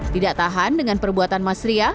tidak tahan dengan perbuatan mas ria